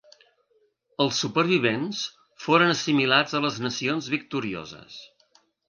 Els supervivents foren assimilats a les nacions victorioses.